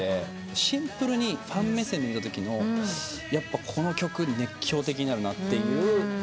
シンプルにファン目線で見たときのこの曲熱狂的になるなっていうので。